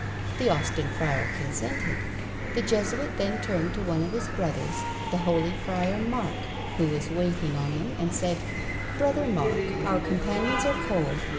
The Austin friar consented. The Jesuit then turning to one of his brothers, the holy friar Mark, who was waiting on them, said, "Brother Mark, our companions are cold.